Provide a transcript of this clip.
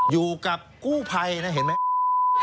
อยู่กับกู้ภัยนะเห็นไหม